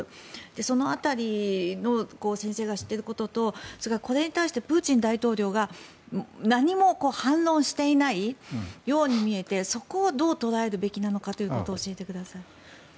その辺りの先生が知っていることとこれに対してプーチン大統領が何も反論していないように見えてそこをどう捉えるべきなのかということを教えてください。